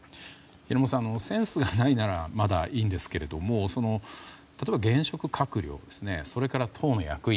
センスがないならまだいいんですけど例えば現職閣僚それから党の役員